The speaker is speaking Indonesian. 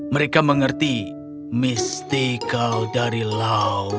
mereka mengerti mistikal dari laut